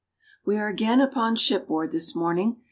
WE are again upon shipboard this morning.